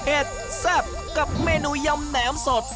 เอ็ดซับกับเมนูยำแหนมสด